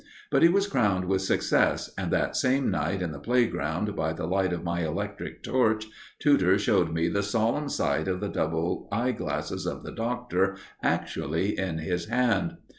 But he was crowned with success, and that same night in the playground, by the light of my electric torch, Tudor showed me the solemn sight of the double eyeglasses of the Doctor actually in his hand!